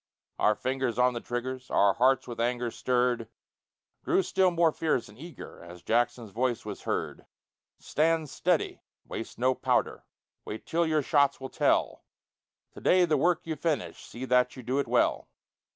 Our fingers on the triggers, Our hearts, with anger stirred, Grew still more fierce and eager As Jackson's voice was heard: "Stand steady! Waste no powder! Wait till your shots will tell! To day the work you finish See that you do it well!"